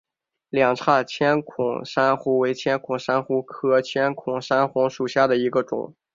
两叉千孔珊瑚为千孔珊瑚科千孔珊瑚属下的一个种。